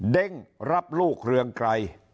เด้งรับลูกเรืองไกร